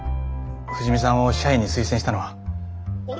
藤見さんを社員に推薦したのは。